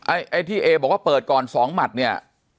ไอ้ที่เอบอกว่าเปิดก่อน๒หมัดเนี่ย